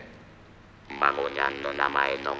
孫ちゃんの名前とか」。